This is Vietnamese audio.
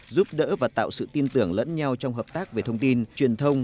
giúp đỡ và tạo sự tin tưởng lẫn nhau trong hợp tác về thông tin truyền thông